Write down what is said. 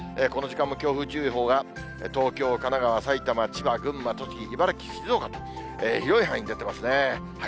この時間も強風注意報が東京、神奈川、埼玉、千葉、群馬、栃木、茨城、静岡と広い範囲に出ていますね。